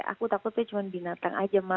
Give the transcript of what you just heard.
aku takutnya cuma binatang aja ma